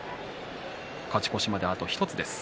勝ち越しまで、あと１つです。